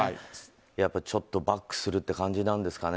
やっぱりちょっとバックするって感じなんですかね。